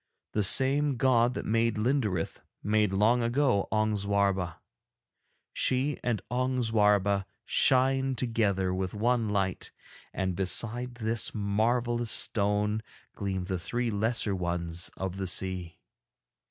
The same god that made Linderith made long ago Ong Zwarba; she and Ong Zwarba shine together with one light, and beside this marvellous stone gleam the three lesser ones of the sea.